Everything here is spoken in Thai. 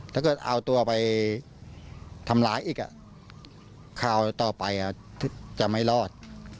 ถ้าเกิดเอาตัวไปทำร้ายอีกคราวต่อไปจะไม่รอด